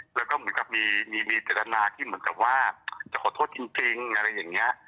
แล้วก็เหมือนกับมีเจตนาที่เหมือนกับว่าจะขอโทษจริงอะไรอย่างนี้